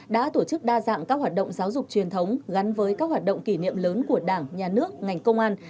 đã tổ chức đa dạng các hoạt động giáo dục truyền thống gắn với các hoạt động kỷ niệm lớn của đảng nhà nước ngành công an